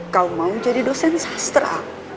kau mau jadi dosen sastra